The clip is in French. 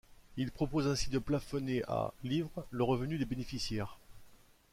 Il propose ainsi de plafonner à livres le revenu des bénéficiers.